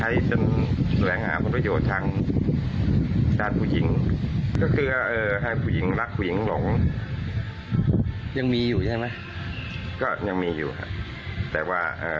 อย่างนี้มันมันเริ่มจำถามก็เยอะแล้ว